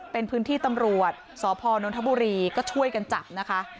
เป็นพื้นที่ตำรวจสพนนทบุรีก็ช่วยกันจับนะคะ